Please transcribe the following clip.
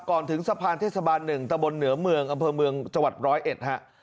ถึงสะพานเทศบาล๑ตะบนเหนือเมืองอำเภอเมืองจังหวัดร้อยเอ็ดฮะ